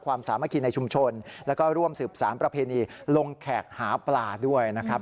สามัคคีในชุมชนแล้วก็ร่วมสืบสารประเพณีลงแขกหาปลาด้วยนะครับ